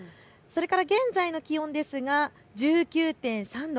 現在の気温ですが、１９．３度。